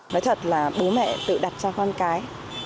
nói thật là bố mẹ tự đặt cho con cái